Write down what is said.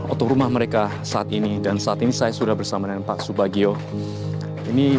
otorumah mereka saat ini dan saat ini saya sudah bersama dengan pak subagio ini